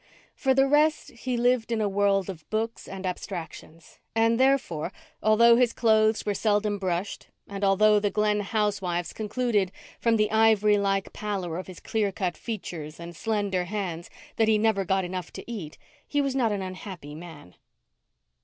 For the rest, he lived in a world of books and abstractions; and, therefore, although his clothes were seldom brushed, and although the Glen housewives concluded, from the ivory like pallor of his clear cut features and slender hands, that he never got enough to eat, he was not an unhappy man.